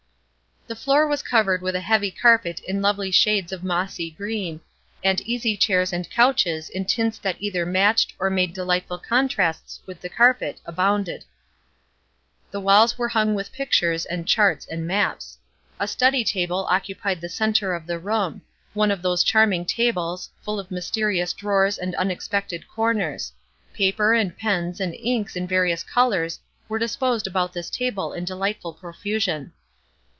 The floor was covered with a heavy carpet in lovely shades of mossy green, and easy chairs and couches in tints that either matched or made delightful contrasts with the carpet abounded. The walls were hung with pictures and charts and maps. A study table occupied the centre of the room one of those charming tables, full of mysterious drawers and unexpected corners; paper and pens and inks in various colors were disposed about this table in delightful profusion.